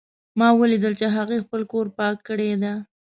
ما ولیدل چې هغې خپل کور پاک کړی ده